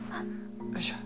よいしょ。